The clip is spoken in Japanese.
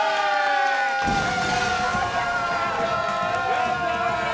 やったー！